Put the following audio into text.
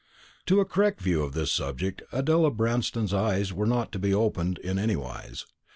To a correct view of this subject Adela Branston's eyes were not to be opened in any wise.